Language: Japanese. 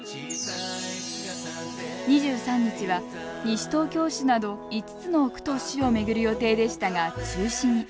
２３日は西東京市など、５つの区と市を巡る予定でしたが中止に。